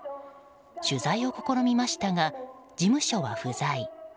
取材を試みましたが事務所は不在。